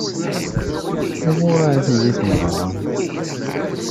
Wuɣur ara d-tili tmeɣra?